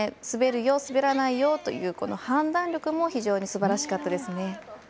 滑るよ、滑らないよという判断力も非常にすばらしかったですね。